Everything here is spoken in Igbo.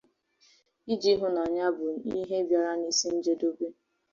iji hụ na ya bụ ihe bịara n'isi njedobe